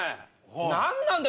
何なんだ！